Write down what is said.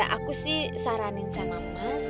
aku sih saranin sama mas